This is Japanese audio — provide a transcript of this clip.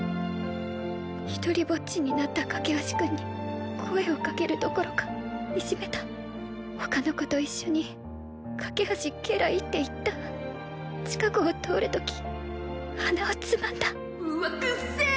独りぼっちになった架橋君に声をかけるどころかいじめた他の子と一緒に架橋ケライって言った近くを通るとき鼻をつまんだうわっくっせえ